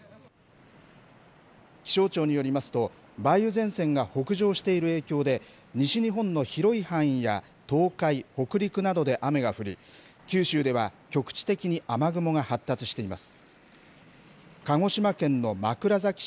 気象庁によりますと梅雨前線が北上している影響で西日本の広い範囲や東海、北陸などで雨が降り九州では局地的に雨雲が発達しています。